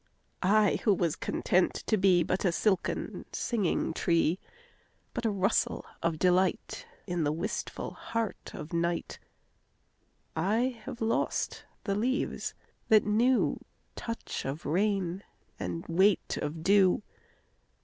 I who was content to beBut a silken singing tree, But a rustle of delightIn the wistful heart of night,I have lost the leaves that knewTouch of rain and weight of dew.